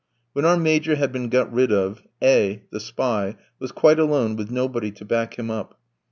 When our Major had been got rid of, A v, the spy, was quite alone with nobody to back him up.